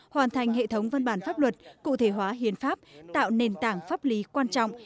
hoàn thành hệ thống văn bản pháp luật cụ thể hóa hiến pháp tạo nền tảng pháp lý quan trọng